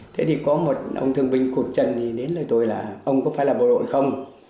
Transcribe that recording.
thế thì có một ông thương binh cột trần thì đến lời tôi là ông có phải là bộ đội không